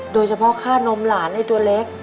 โดยเฉพาะค่านมหลานในตัวเล็ก